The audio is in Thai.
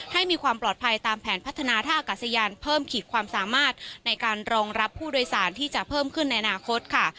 ให้มีความปลอดภัยตามแผนพัฒนาท่าอากาศยานเพิ่มขีดความสามารถในการรองรับผู้โดยสารที่จะเพิ่มขึ้นในอนาคตค่ะ